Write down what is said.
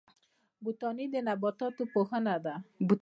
بوټاني د نباتاتو پوهنه ده